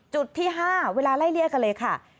จุดที่๕เวลาไล่เลี่ยกันเลยค่ะ